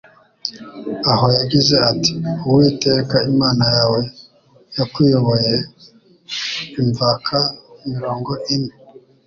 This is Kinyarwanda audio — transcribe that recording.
aho yagize ati : «Uwiteka Imana yawe yakuyoboye imvaka mirongo ine;